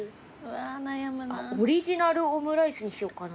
オリジナルオムライスにしよっかな。